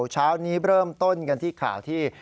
เช้านี้เริ่มต้นกันที่ข่าวที่